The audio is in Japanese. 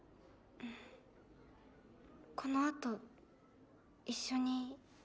このあと一緒にいい？